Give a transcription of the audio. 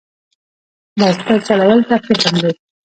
بایسکل چلول تفریح هم دی.